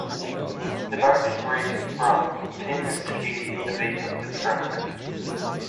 The bark is grey-brown, thin and scaly at the base of the trunk.